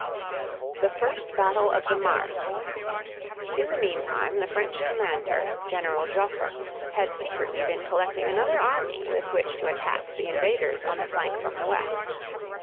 THE FIRST BATTLE OF THE MARNE. In the meantime the French commander, General Joffre (zhofr), had secretly been collecting another army with which to attack the invaders on the flank from the west.